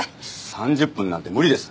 ３０分なんて無理です。